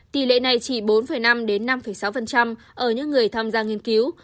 tỷ lệ này chỉ bốn năm sáu ở những người tham gia nghiên cứu